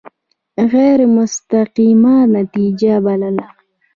غیر مستقیمه نتیجه بلله.